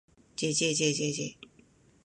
ｗ じぇじぇじぇじぇ ｗ